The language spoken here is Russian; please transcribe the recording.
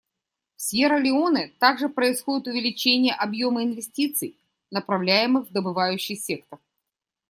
В Сьерра-Леоне также происходит увеличение объема инвестиций, направляемых в добывающий сектор.